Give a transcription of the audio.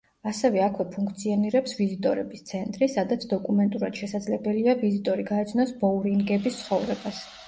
ასევე აქვე ფუნქციონირებს ვიზიტორების ცენტრი, სადაც დოკუმენტურად შესაძლებელია ვიზიტორი გაეცნოს ბოურინგების ცხოვრებას.